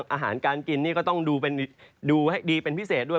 อาหารการกินนี่ก็ต้องดูให้ดีเป็นพิเศษด้วย